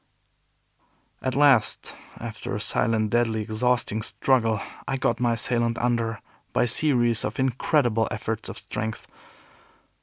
At last, after a silent, deadly, exhausting struggle, I got my assailant under by a series of incredible efforts of strength.